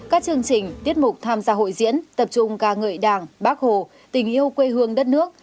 các chương trình tiết mục tham gia hội diễn tập trung ca ngợi đảng bác hồ tình yêu quê hương đất nước